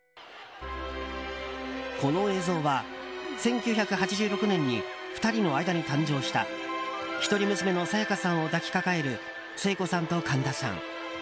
この映像は、１９８６年に２人の間に誕生した一人娘の沙也加さんを抱きかかえる聖子さんと神田さん。